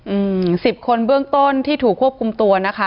อืมสิบคนเบื้องต้นที่ถูกควบคุมตัวนะคะ